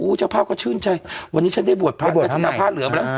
โอ้ยเจ้าพ่อก็ชื่นใจวันนี้ฉันได้บวชพะได้บวชพะใหม่แล้วฉันเอาพ่าเหลือมาแล้ว